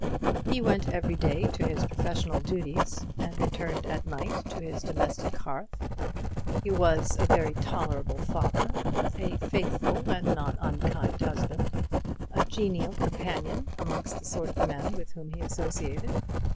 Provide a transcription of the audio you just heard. He went every day to his professional duties, and returned at night to his domestic hearth; he was a very tolerable father; a faithful, and not unkind husband; a genial companion amongst the sort of men with whom he associated.